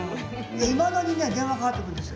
いまだにね電話かかってくるんですよ。